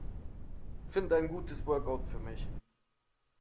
Finde ein gutes Workout für mich.